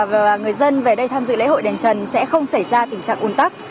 và người dân về đây tham dự lễ hội đền trần sẽ không xảy ra tình trạng un tắc